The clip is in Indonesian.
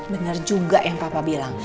benar juga yang papa bilang